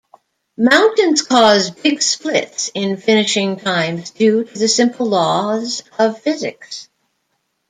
Mountains cause big splits in finishing times due to the simple laws of physics.